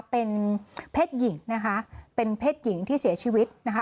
เป็นเพศหญิงนะคะเป็นเพศหญิงที่เสียชีวิตนะคะ